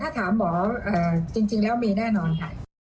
ถ้าถามหมอจริงแล้วมีแน่นอนค่ะ